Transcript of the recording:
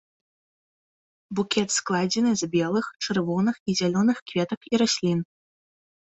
Букет складзены з белых, чырвоных і зялёных кветак і раслін.